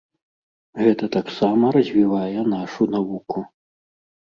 Гэта таксама развівае нашу навуку.